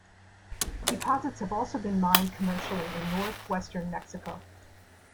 Deposits have also been mined commercially in North Western Mexico.